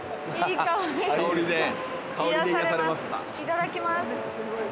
いただきます。